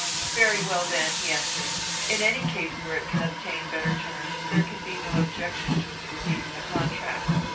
"Very well, then," he answered. "In any case where it can obtain better terms, there can be no objection to its receiving the contract.